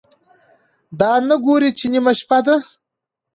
دا نه ګوري چې نیمه شپه ده،